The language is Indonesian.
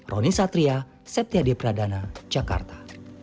roni satria septiade pradana jakarta